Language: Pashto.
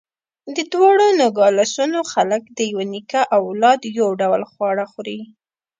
د دواړو نوګالسونو خلک د یوه نیکه اولاد، یو ډول خواړه خوري.